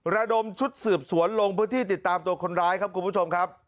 ระดมชุดสืบสวนลงพื้นที่ติดตามตัวคนร้ายครับคุณผู้ชมครับ